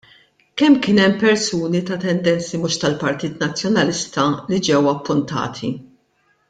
Kemm kien hemm persuni ta' tendenzi mhux tal-Partit Nazzjonalista li ġew appuntati?